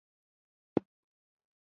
دا د خبیثه کړۍ یو مضر جوړښت دی.